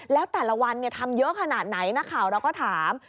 แล้วแต่ละวันทำเยอะขนาดไหนนักข่าวเราก็ถาม